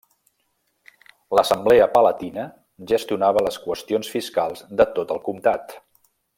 L'assemblea palatina gestionava les qüestions fiscals de tot el comtat.